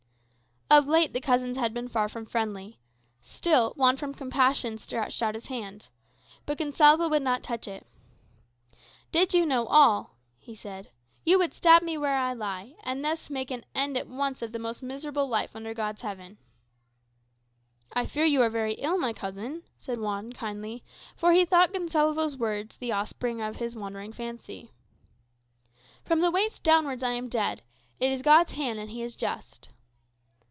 Of late the cousins had been far from friendly. Still Juan from compassion stretched out his hand. But Gonsalvo would not touch it. "Did you know all," he said, "you would stab me where I lie, and thus make an end at once of the most miserable life under God's heaven." "I fear you are very ill, my cousin," said Juan, kindly; for he thought Gonsalvo's words the offspring of his wandering fancy. "From the waist downwards I am dead. It is God's hand: and he is just."